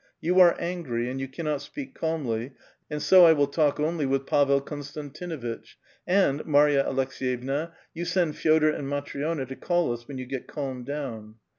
You are angry, and you cannot ppeak calmly, and so I will talk only with Pavel Konstantinuitch ; and, Marya Aleks^vevna, you send Fe6dor and Matri6na to call us when you get calmed down."